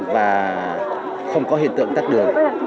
và không có hiện tượng tắt đường